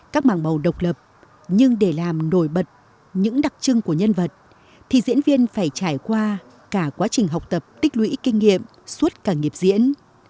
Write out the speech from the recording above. các màng bầu độc lập nhưng để làm nổi bật những đặc trưng của nhân vật thì diễn viên phải trải qua cả quá trình học tập tích lũy kinh nghiệm suốt cả nghiệp diễn